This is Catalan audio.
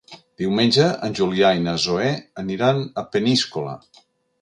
Diumenge en Julià i na Zoè aniran a Peníscola.